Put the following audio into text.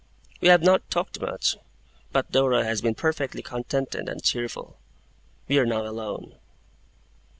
We have not talked much, but Dora has been perfectly contented and cheerful. We are now alone.